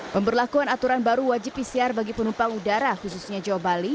pemberlakuan aturan baru wajib pcr bagi penumpang udara khususnya jawa bali